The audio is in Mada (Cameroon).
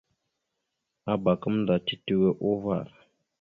Abak gamənda titewe uvar.